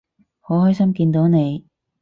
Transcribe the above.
好開心見到你